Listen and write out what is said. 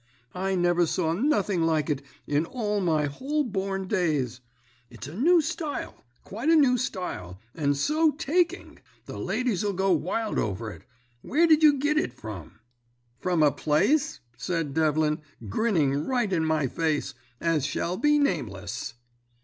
'I never saw nothing like it in all my whole born days. It's a new style quite a new style, and so taking! The ladies 'll go wild over it. Where did you git it from?' "'From a place,' said Devlin, grinning right in my face, 'as shall be nameless.'